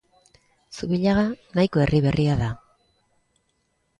Zubillaga nahiko herri berria da.